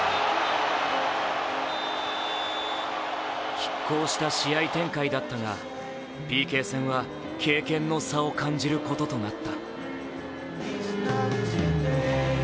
きっ抗した試合展開だったがＰＫ戦は経験の差を感じることとなった。